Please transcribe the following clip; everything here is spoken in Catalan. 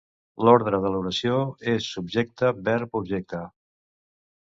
L'ordre de l'oració és Subjecte-Verb-Objecte.